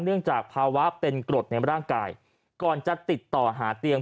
เนื่องจากภาวะเป็นกรดในร่างกายก่อนจะติดต่อหาเตียง